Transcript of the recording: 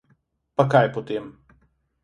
Pa kaj potem.